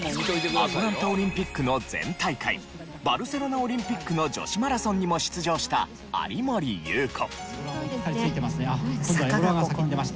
アトランタオリンピックの前大会バルセロナオリンピックの女子マラソンにも出場した有森裕子。